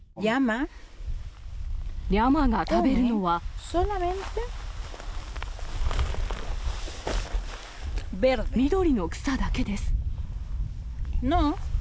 リャマが食べるのは、緑の草だけです。